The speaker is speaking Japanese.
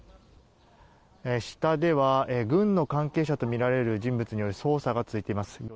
下では軍の関係者とみられる人物による捜査が続いています。